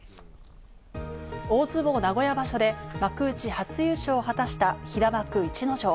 大相撲・名古屋場所で幕内初優勝を果たした平幕・逸ノ城。